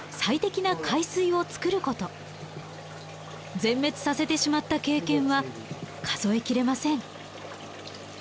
全滅させてしまった経験は数えきれません。